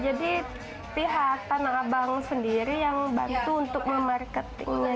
jadi pihak tanah abang sendiri yang membantu untuk memarketnya